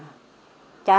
trái đất của mình